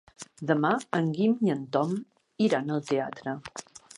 Demà en Guim i en Tom iran al teatre.